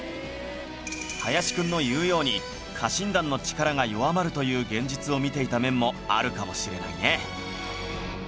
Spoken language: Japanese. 林くんの言うように家臣団の力が弱まるという現実を見ていた面もあるかもしれないね